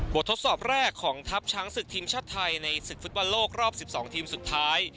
ทดสอบแรกของทัพช้างศึกทีมชาติไทยในศึกฟุตบอลโลกรอบ๑๒ทีมสุดท้าย